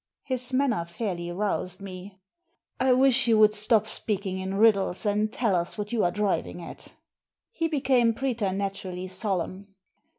His manner fairly roused me. " I wish you would stop speaking in riddles, and tell us what you are driving at" He became pretematurally solemn.